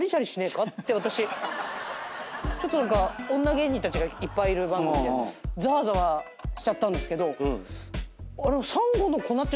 ちょっと女芸人たちがいっぱいいる番組でざわざわしちゃったんですけど。